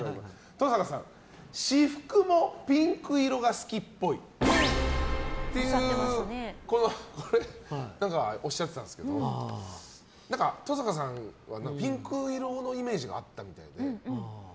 登坂さんからは私服もピンク色が好きっぽいとこのようにおっしゃってたんですが登坂さんはピンク色のイメージがあったみたいで。